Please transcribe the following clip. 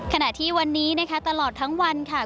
ขณะที่วันนี้นะคะตลอดทั้งวันค่ะ